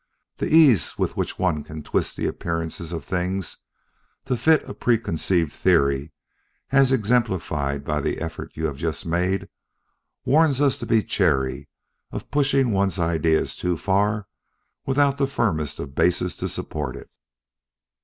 The ease with which one can twist the appearances of things to fit a preconceived theory as exemplified by the effort you have just made warns us to be chary of pushing one's idea too far without the firmest of bases to support it.